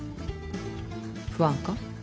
不安か？